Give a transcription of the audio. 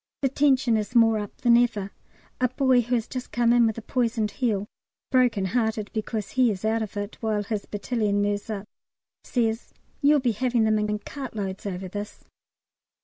The tension is more up than ever. A boy who has just come in with a poisoned heel (broken hearted because he is out of it, while his battalion moves up) says, "You'll be having them in in cartloads over this."